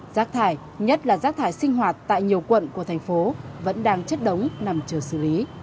rác thải nhất là rác thải sinh hoạt tại nhiều quận của thành phố vẫn đang chất đống nằm chờ xử lý